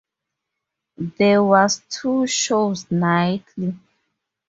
There was two shows nightly.